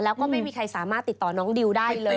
แล้วก็ไม่มีใครสามารถติดต่อน้องดิวได้เลย